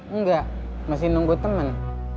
enggak masih nunggu temen